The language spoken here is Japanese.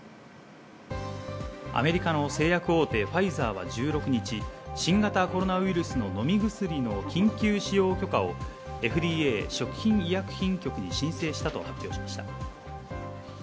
アメリカの製薬大手ファイザーは１６日、新型コロナウイルスの飲み薬の緊急使用許可をＦＤＡ＝食品医薬品局に申請したと発表しました。